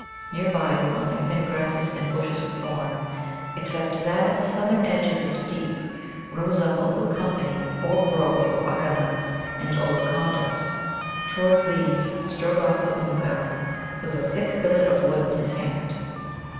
Near by grew only thin grasses and bushes of thorn, except that at the southern edge of the steep rose up a little company or grove of Ukka nuts and Ollacondas. Toward these strode off the Oomgar, with a thick billet of wood in his hand.